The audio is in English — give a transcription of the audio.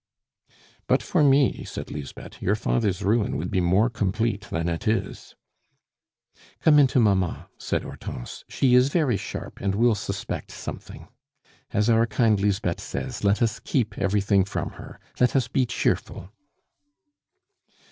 "But for me," said Lisbeth, "your father's ruin would be more complete than it is." "Come in to mamma," said Hortense; "she is very sharp, and will suspect something; as our kind Lisbeth says, let us keep everything from her let us be cheerful."